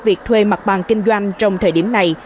việc thuê mặt bằng kinh doanh trong thời điểm này